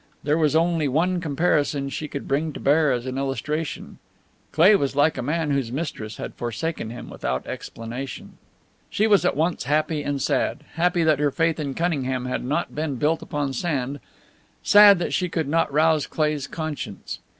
There was only one comparison she could bring to bear as an illustration: Cleigh was like a man whose mistress had forsaken him without explanations. She was at once happy and sad: happy that her faith in Cunningham had not been built upon sand, sad that she could not rouse Cleigh's conscience.